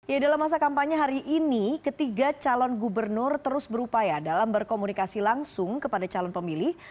ya dalam masa kampanye hari ini ketiga calon gubernur terus berupaya dalam berkomunikasi langsung kepada calon pemilih